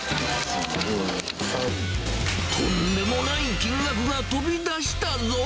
とんでもない金額が飛び出したぞ。